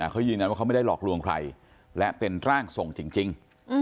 เขายืนยันว่าเขาไม่ได้หลอกลวงใครและเป็นร่างทรงจริง